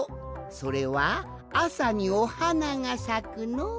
それはあさにおはながさくのう。